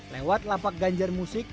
lewat lapak ganjar musik